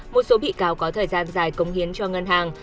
một số bị cáo có thời gian dài cống hiến cho ngân hàng